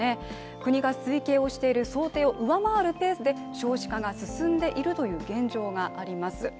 国が推計をしている想定を上回るペースで少子化が進んでいるという現状があります。